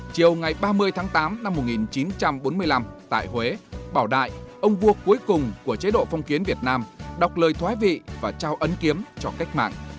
chiều ngày ba mươi tháng tám năm một nghìn chín trăm bốn mươi năm tại huế bảo đại ông vua cuối cùng của chế độ phong kiến việt nam đọc lời thoái vị và trao ấn kiếm cho cách mạng